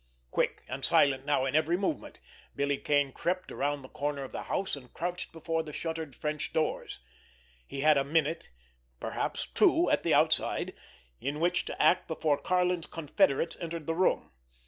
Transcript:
Quick and silent now in every movement, Billy Kane crept around the corner of the house, and crouched before the shuttered French doors. He had a minute, perhaps two at the outside, in which to act before Karlin's confederates entered the room.